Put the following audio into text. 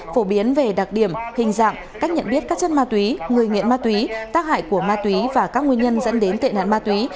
phổ biến về đặc điểm hình dạng cách nhận biết các chất ma túy người nghiện ma túy tác hại của ma túy và các nguyên nhân dẫn đến tệ nạn ma túy